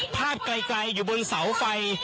ไกลอยู่บนเสาไฟ